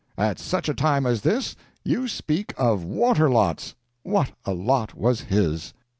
At such a time as this, you speak of water lots! what a lot was his!